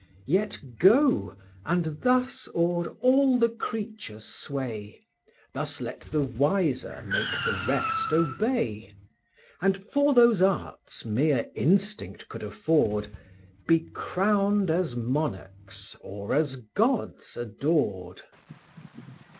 Yet go! and thus o'er all the creatures sway, Thus let the wiser make the rest obey; And, for those arts mere instinct could afford, Be crowned as monarchs, or as gods adored."